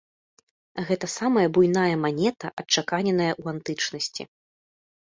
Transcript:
Гэта самая буйная манета, адчаканеная ў антычнасці.